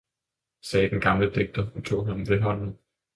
sagde den gamle digter og tog ham ved hånden.